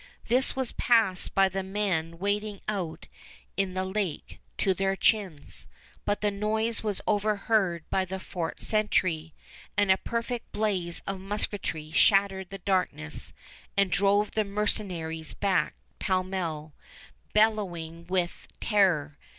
This was passed by the men wading out in the lake to their chins; but the noise was overheard by the fort sentry, and a perfect blaze of musketry shattered the darkness and drove the mercenaries back pellmell, bellowing with terror.